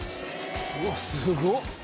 「うわっすごっ！」